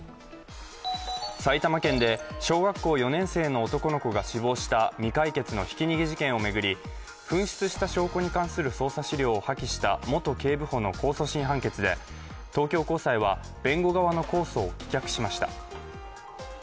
埼玉県で小学校４年生の男の子が死亡した未解決のひき逃げ事件を巡り、紛失した証拠に関する捜査資料を破棄した元警部補の控訴審判決で東京高裁は弁護側の控訴を棄却しました。